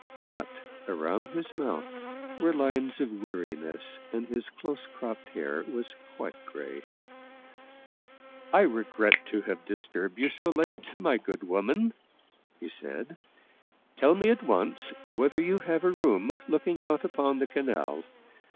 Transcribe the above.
But around his mouth were lines of weariness and his close cropped hair was quite gray. " I regret to have disturbed you so late, my good woman/* he said. " Tell me at once whether you have a room look ing out upon the canal.